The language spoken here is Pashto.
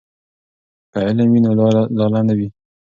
که علم وي نو لاله نه وي.